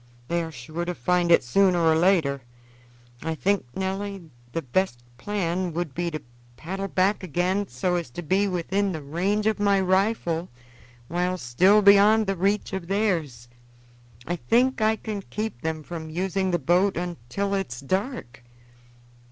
They are sure to find it, sooner or later. I think, Nelly, the best plan would be to paddle back again so as to be within the range of my rifle while still beyond the reach of theirs. I think I can keep them from using the boat until it is dark."